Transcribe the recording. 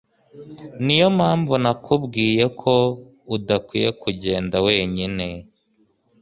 Niyo mpamvu nakubwiye ko udakwiye kugenda wenyine.